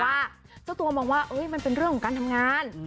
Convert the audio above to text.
เจ้าตัวมองว่ามันเป็นเรื่องของการทำงาน